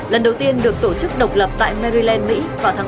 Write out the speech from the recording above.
lần đầu tiên được tổ chức độc lập tại maryland mỹ vào tháng tám